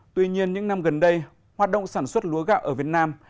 tuy nhiên những năm gần đây hoạt động sản xuất lúa gạo ở việt nam